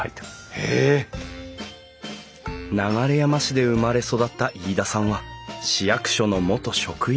流山市で生まれ育った飯田さんは市役所の元職員。